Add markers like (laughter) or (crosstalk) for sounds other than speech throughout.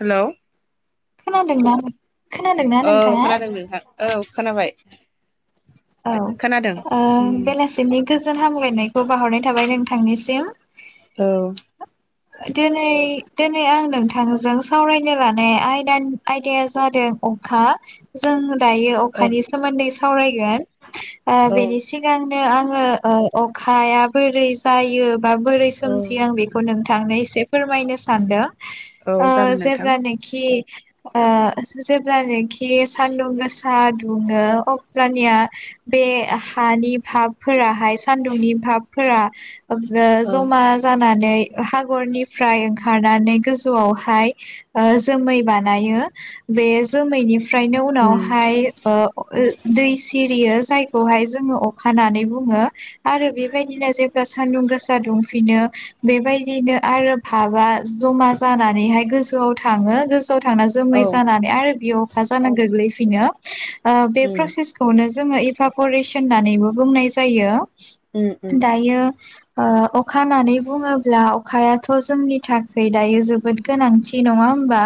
हेल' खोनादोंना खोनादोंना औ नोंथाङा खोनादों नोंथां औ खोनाबाय (inaudible) औ खोनादों ओ उम बेलासिनि गोजोन हामलायनायखौ बाहरनाय थाबाय नोंथांनिसिम औ दिनै दिनै आं नोंथांजों सावरायनो लानाय आयदानि आयदाया जादों अखा जों दायो औ अखानि सोमोन्दै सावरायगोन ओ औ बेनि सिगां नो आङो अखाया बोरै जायो बोरै औ सोमजि आं बेखौ नों थांनो एसे फोरमायनो सानदों औ ओ जागोन नोंथां जेब्ला नेखि ओ जेब्लानोखि सानदुं गोसा दुङो अब्लानिया बे हानि भाबफोराहाय सान्दुंनि भाबफोरा औ जमा जानानै हागरनिफ्राय ओंखारनानै गोजौआवहाय ओ जोमै बानायो बे जोमैनिफ्रायनो उम उनावहाय ओ ओ दै यो जायखौहाय जोङो अखानानै बुङो आरो बेबायदिनो जेब्ला सानदुं गोसा दुंफिनो बेबायदिनो आरो फाबा जमा जानानैहाय गोजौआव थाङो फाव थांना जोमै औ जानानै आरो बि अखा जाना गोग्लै बिनो बे उम प्रसेस जोङो एफा परेस होननानैबो बुंनाय जायो उम उम दायो ओ अखा होननानै बुङोब्ला अखायाथ' जोंनि थाखाय दायो जोबोद गोनांथि नङा होमबा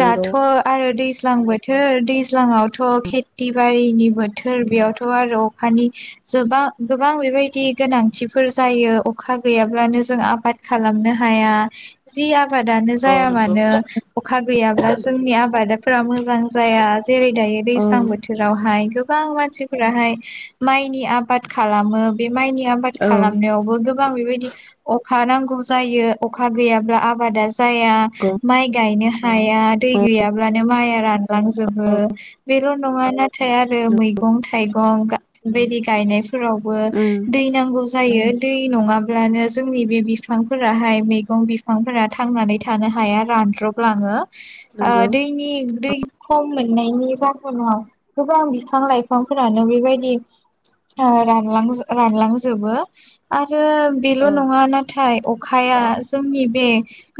दाथ' आरो दै दैज्लां बोथोर दैज्लांयाव थ खेथि बारि बोथोर बेयावथ' आरो अखानिबां जोबा गोबां बेबायदि गोनांथिफोर जायो अखा गैयाब्लानो जों आबाद खालामनो हाया जि आबा आबादानो औ जाया नंगौ मानो अखा गैयाब्ला जोंनि आबादाफोरा मोजां जाया जेरै दायो दैज्लां ओं बोथोरावहाय गो मानसिफोराहाय माइनि आबद खालामो माइनि आबाद औ खालामनायावबो गोबां बेबायदि अ खानांगौ जायो अखा गैयाब्ला आबादा जाया नंगौ माइ गायनो हाया दै औ गैयाब्लानो माइआ रानलांजोबो औ बेल' नङा नाथाय आर रो मैगं थाइगं गा बेदि गायनाय फोरावबो उम दै नांगौ जायो दै नङा ब्लानो जोंनि बे बिफांफोराहाय मैगं बिफांफोरा थांनानै थानो हाया, रानज्रबलाङो। आ नंगौ दैनि दै खम मोननायनि जाहोनाव गोबां बिफां लाइफांफोरानो बेबायदि रानलां रानलांजोबो आरो बेल' औ नङा नाथाय अखाया जोंनि बे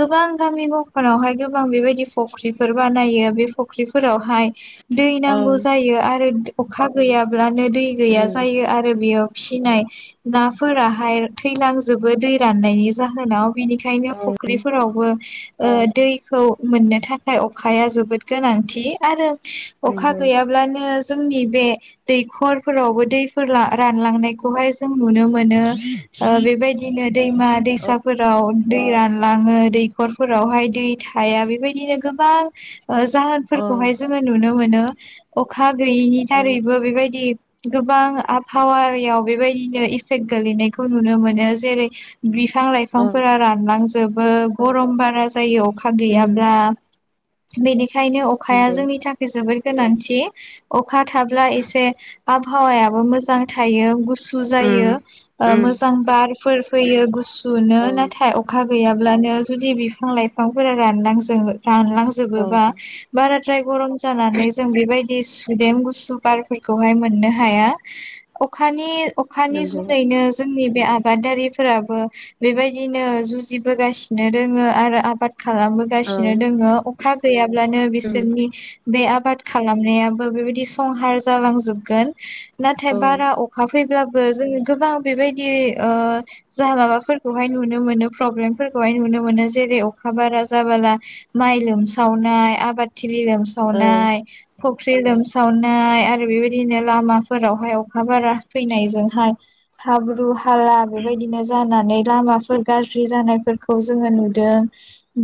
गोबां गामि गफायावहाय गोबां बेबायदि फख्रिफोर बानायो बे फ फख्रिफोरावहाय दै औ नांगौ जायो आरो अखा गैयाब्ला नो दै गैया उम जायो आरो बेयाव फिसिनाय नाफोराहाय थैलांजोबो दै राननायनि जाहोनाव। बिनिखायनो औ फुख्रिफोरावबो ओ दैखौ मोननो थाखाय अखाया जोबोद गोनांथि आरो अखा नंगौ गैयाब्लानो जोंनि बे दैखरफोरावबो दैफोर रानलांनायखौहाय जों नुनो मोनो। ओ बेबायदिनो दैमा औ दैसाफोराव दै रानलाङो, दै खरफोरावहाय दै थाया बेबायदिनो गोबां ओ औ जाहोनफोरखौहाय जोङो नुनो मोनो। अखा गैयैनि औ दारैबो बेबायदि गोबां आबहावायाव बेबादिनो इफेक्ट गोलैनायखौ नुनो मोनो जेरै बिफां औ लाइफांफोरा रानलां जोबो गरम बारा जायो अखा उम गैयाब्ला। बेनि खायनो अखाया नंगौ जोंनि थाखाय जोबोद गोनांथि। अखा थाब्ला इसे आबहावायाबो मोजां थायो गुसु उम जायो उम मोजां बार फोर फैयो गुसु नो औ नाथाय अखा गैयाबा अब्लानो जुदि बिफां लाइफांफोरा रानलां जोबो औ रानलांजोबोबा बारा द्राय गरम जानानै जों बेबायदि (unintelligible) सुदेम गुसु बारफोरखौहाय मोननो हाया अखानि अखानि नंगौ जुनैनो जों जोंनि बे आबादारिफोराबो बेबायदिनो जुजिबोगासिनो दोङो आरो आबाद औ खालामबोगासिनो दोङो अखा गैयाब्लानो उम बिसोरनि बे आबाद खालामनाया बेबायदि संहार जालांजोबगोन नाथाय औ बारा अखा फैब्लाबो जों गोबां बेबायदि ओ जा माबाफोरखौहाय नुनो मोनो प्रब्लेमफोरखौहाय नुनो मोनो जेरै अखा बारा जाबोला माइ लोमसावनाय आबाद फुख्रि औ लोमसावनाय फुख्रि लोमसावनाय आरो बेबायदिनो लामाफोरावहाय अखा बारा फैनायजोंहाय हाब्रु हाला बेबायदिनो जानानै लामाफोर गाज्रि जानायफोरखौ जोङो नुदों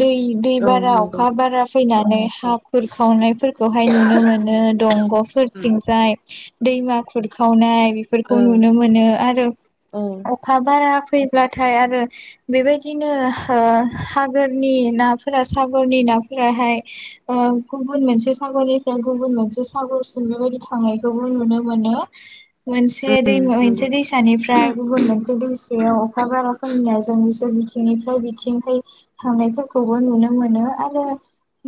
दै दै औ बारा नंगौ अखा बारा फैनानै (unintelligible) हा खुरखावनायफोरखौहाय नुनो मोनो औ दंग'फोरथिंजाय दैमा खुरखावनाय बेफोरखौ नुनो मोनो आरो औ अखा बारा फैब्लाथाय आरो बेबायदिनो ओ सागोरनि नाफोरा सागरनि नाफोराहाय ओ गुबुन मोनसे सागरनिफ्राय गुबुन मोनसे सागरसिम बेबायदि थांनायखौबो नुनो मोनो मोनसे उम दैमा नंगौ मोनसे दैसानिफ्राय गुबुन मोनसे दै बेयाव अखा बारा खमिनायजोंसो बिथिंनिफ्राय बिथिंहाय थांनायफोरखौबो नुनो मोनो आरो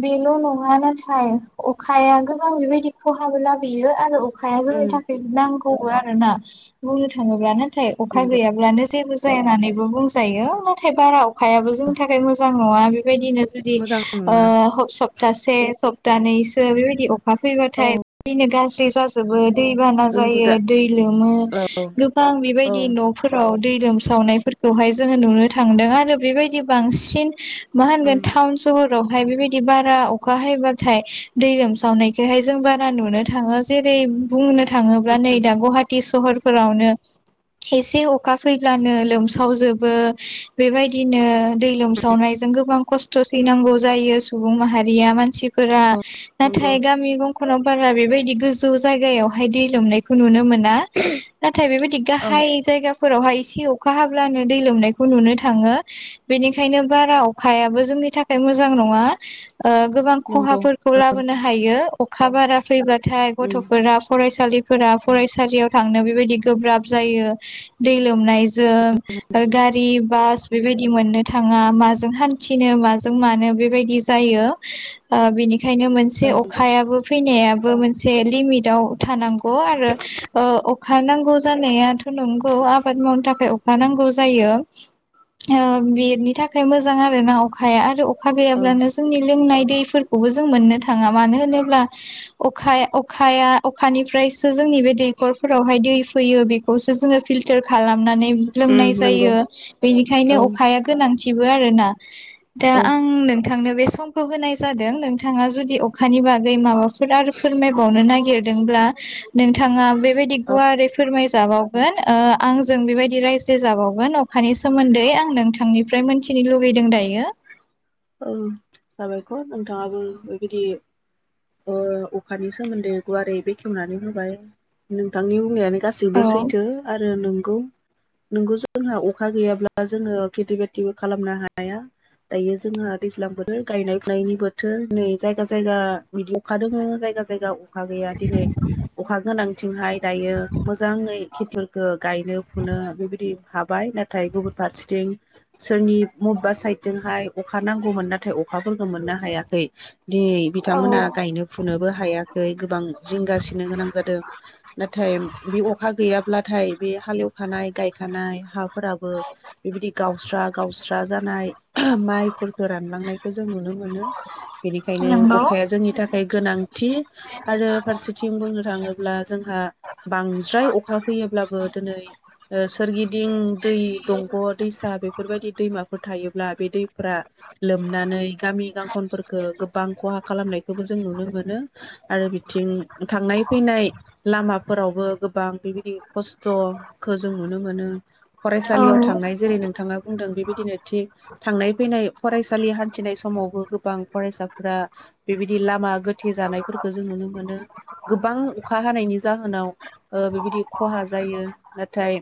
बेल' नङा नाथाय अखाया गोबां बेबायदि खहाबो लाबोयो आरो अखाया जोंनि उम थाखायब्ला खौबो आरोना बुंनो थाङोब्लानो नाथाय अखा नंगौ गैयाब्लानो जेबो जाया होननानैबो बुंजायो नाथाय बारा अखायाबो जोंनि थाखाय मोजां नङा। बेबायदिनो जुदि मोजां ओ नङा ह सप्तासे दा नैसो औ बेबायदि (unintelligible) (unintelligible) दै बाना नंगौ दा जायो, दै लोमो औ गोबां औ बेबायदि न'फोराव दै लोमसावनायफोरखौहाय जोङो नुनो थांदों आरो बेबायदि बांसिन मा उम होनगोन टाउन सहर फ्रावहाय बेबायदि बारा अखा हायोबाथाय दै लोमसावनाय बेहाय जों बारा नुनो थाङो जेरै बुंनो थाङोब्ला नै दा गुवाहाटि सहर फोरावनो एसे अखा फैब्लानो लोमसावजोबो। बेबायदिनो दै लोमसावनायजों गोबां खस्थ' खस्थ' सैनांगौ जायो सुबुं माहारिया मानसि फोरा नंगौ नाथाय (unintelligible) बारा बेबायदि गोजौ जायगायावहाय दै लोमनायखौ नुनो मो ला नाथाय बेबायदि औ गाहाय जायगाफोरावहाय एसे अखा हाब्लानो दै लोमनायखौ नुनो थाङो। बेनिखायनो, बारा अखायाबो जोंनि थाखाय मोजां नङा। ओ गोबां नंगौ खहाफोरखौ लाबोनो अखा बारा फैबाथाय उम गथ'फोरा फरायसालि फोरा फरायसालियाव थांनो बेबायदि गोब्राब जायो, दै लोमनाय जों गारि बास बेबायदि मोननो थाङा। माजों हान्थिनो माजों मानो बेबायदि जायो, ओ बेनिखायनो एसे औ अखायाबो फैनाया बो मोनसे लिमिटआव थानांगौ आरो ओ अखा नांगौ जानायाथ'। नंगौ आबाद मावनो थाखाय अखा नांगौ जायो, औ बेनि थाखाय मोजां आरो ना अखाया आरो अखा औ गैयाब्लानो जोंनि लोंनाय दैफोरखौबो जों मोननो थाङा। मानो होनोब्ला अखा अखाया अखानिफ्रायसो जोंनि बे दैकफोरावहाय दै फैयो। बेखौ जों पिल्टार खालामनानै उम लोंनाय नंगौ जायो, औ बेनिखायनो अखाया गोनां थिबो आरो ना दा औ आं नों थांनो बे समखौ होनाय जादों नोंथाङा जदि अखानि बागै माबा आरो फोरमायबावनो नागिर गिरदोंब्ला नोंथाङा बेबायदि औ गुवारै फोरमाय जाबावगोन ओ आंजों बेबायदि रायज्ल्य जाबावगोन अखानि सोमोन्दै आं नोंथांनिफ्राय मोनथिनो लुगैदों दायो। औ साबायखर नोंथाङाबो बेबायदि ओ अखानि सोमोन्दै गुवारै बेखेवनानै होबाय नोंथांनि बुंनायानो गासैबो औ सैथो आरो नोंगौ नोंगौ जोंहा अखा गैयाब्ला जोङो खेथि बाथिबो खालामनो हाया दायो जोंहा दैज्लां बोथोर गायनाय फुनायनि बोथोर नै जायगा जायगा बिदि अखा दोंङो जायगा जायगा अखा गैया दिनै अखा गोनां बिथिंहाय दायो मोजाङै खिथिलखो गायनो फुनो बेबायदि हाबाय नाथाय गुबुन फारसेथिं सोरनि मबेबा साइद जोंहाय अखा नांगौमोन नाथाय अखाफोरखौ मोननो हायाखै दिनै बिथांमोनहा गायनो फुनोबो हायाखै गोबां जिंगासिनो गोनां जादों नाथाय बि अखा गैया ब्लाथाय बे हालेवखानाय गायखानाय हाफोराबो बेबायदि गावस्रा गावस्रा जानाय मा फोरखो रानलांनायखौ जों नुनो मोनो बेनिखायनो नंगौ अखाया जोंनि थाखाय गोनांथि आरो फारसेथिं बुंनो थाङोब्ला जोंहा बांद्राय अखा फैयोब्लाबो दिनै ओ सोरगिदिं दै दंग' दैसा बेफोरबायदि दैमाफोर थायो ब्ला बे दै फोरा लोमनानै गामि गांखनफोरखौ गोबां खहा खालामनाय बेखौबो जों नुनो मोनो आरो बिथिं थांनाय फैनाय लामाफोरावबो गोबां बेबायदि खस्थ'खो जों नुनो मोनो औ फरायसालियाव थांनाय जेरै नोंथाङा बुंदों बेबायदिनो थिग थांनाय फैनाय फरायसालि हान्थिनाय समावबो गोबां फरायसाफोरा बेबायदि लामा गोथे जानायफोरखौ जों नुनो मोनो गोबां अखा हानायनि जाहोनाव ओ बेबायदि खहा जायो नाथाय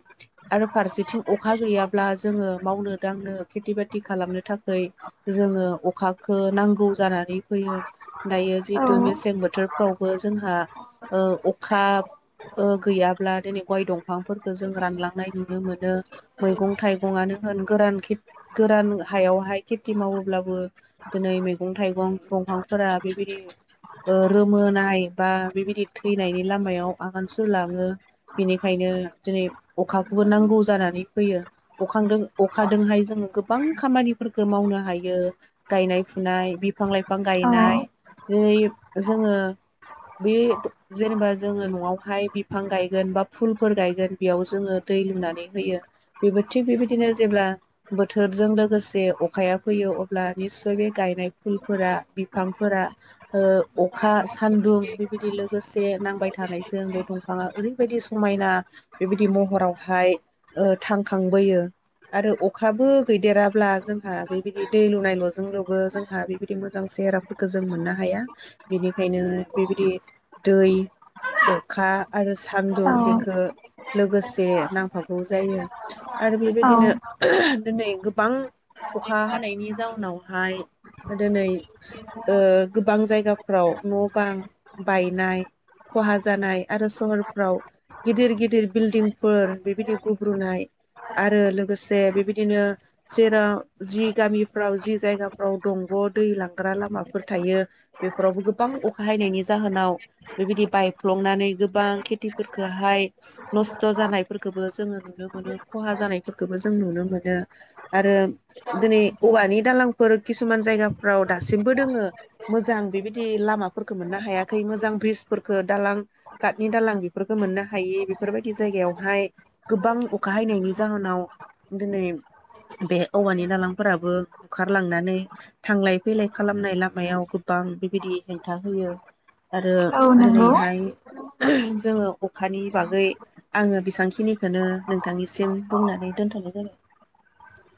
आरो फारसेथिं अखा गैयाब्ला जोङो मावनो दांनो खेथि बाथि खालामनो थाखाय जोङो अखाखो नांगौ जानानै फैयो दायो जिहेतु मेसें बोथोरफ्रावबो जोंहा ओ अखा ओ गैयाब्ला दिनै गय दंफांफोरखो जों रानलांनाय नुनो मोनो मैगं थाइगंआनो होन गोरान खे गोरान हायावहाय खेथि मावोब्लाबो दिनै मैगं थाइगं दंफांफोरा बेबायदि ओ रोमोनाय बा बेबायदि थैनायनि लामायाव आगान सुरलाङो बेनिखायनो दिनै अखाखौबो नांगौ जानानै फैयो अखांदो अखादोंहाय जोङो गोबां खामानिफोरखो मावनो हायो गायनाय फुनाय बिफां लाइफां बिफां औ गायनाय है जोङो बे जेनेबा जोङो न'आवहाय बिफां गायगोन बा फुलफोर गायगोन बेयाव जोङो दै लुनानै होयो बेबो थिग बेबायदिनो जेब्ला बोथोरजों लोग लोगोसे अखाया फैयो अब्ला निस्सय बे गायनाय फुलफोरा बिफांफोरा ओ अखा सानदुं बेबायदि लोगोसे नांबाय थानायजों बे दंफाङा ओरैबायदि समायना बेबायदि महरावहाय ओ थांखांबोयो आरो अखाबो गैदेरा ब्ला जोंहा बेबायदि दै लुनाय ल'जोंल'बो जोंहा बेबायदि मोजां सेेहेराफोरखौ जों मोननो हाया बेनिखायनो बेबायदि दै अखा आरो सानदुं बेखो लोगोसे नांफागौ जायो। आरो औ बेबायदिनो दिनै गो बां अखा हानायनि जाउनाव हाय दिनै ओ गोबां जायगाफ्राव न' बां बायनाय खहा जानाय आरो सहरफ्राव गिदिर गिदिर बिल्डिंफोर बेबायदि गुब्रुनाय आरो लोगोसे बेबायदिनो जेराव जि गामिफ्राव जि जायगाफ्राव दंग' दै लांग्रा लामाफोर थायो बेफोरावबो गोबां अखा हायनायनि जाहोनाव बेबायदि बायफ्लंनानै गोबां खेथिफोरखोहाय नस्थ' जानायफोरखोबो जोङो नुनो मोनो खहा जानायफोरखोबो जों नुनो मोनो। आरो दिनै औवानि दालांफोर किसुमान जायगाफ्राव दासिमबो दोङो मोजां बेबायदि लामाफोरखो मोननो हायाखै मोजां ब्रिजफोरफोरखो दालां काटनि दालां बेफोरखो मोननो हायि बेफोरबायदि जायगायावहाय गोबां अखा हायनायनि जाहोनाव दिनै बे औवानि दालांफोराबो बुखारलांनानै थांलाय फैलाय खालामनाय लामायाव गोबां बेबायदि हेंथा होयो। आरो औ नंगौ दिनैहाय जोङो अखानि बागै आंङो बेसेबांखिनिखौनो नोंथांनिसिम बुंनानै दोनथ'नाय जाबाय।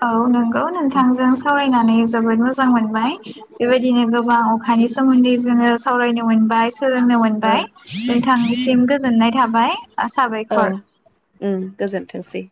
औ नंगौ नोंथांजों सावरायनानै जोबोद मोजां मोन बाय बेबायदिनो गोबां अखानि सोमोन्दै जोङो सावरायनो मोनबाय। सोलोंनो मोनबाय जाबाय नोंथांनिसिम गोजोननाय थाबाय। साबायखर। गोजोन्थोंसै।